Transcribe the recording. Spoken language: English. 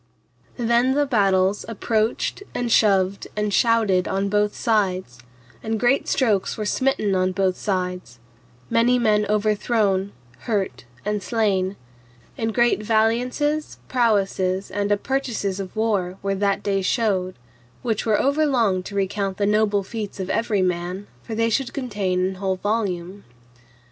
Then the battles approached and shoved and shouted on both sides, and great strokes were smitten on both sides, many men overthrown, hurt, and slain; and great valiances, prowesses and appertices of war were that day showed, which were over long to recount the noble feats of every man, for they should contain an whole volume.